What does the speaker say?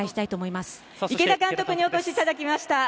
池田監督にお越しいただきました。